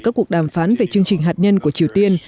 các cuộc đàm phán về chương trình hạt nhân của triều tiên